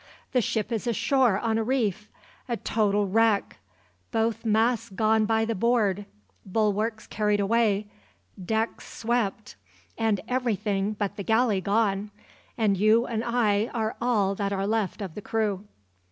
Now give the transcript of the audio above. The ship is ashore on a reef; a total wreck; both masts gone by the board; bulwarks carried away; decks swept, and everything but the galley gone and you and I are all that are left of the crew."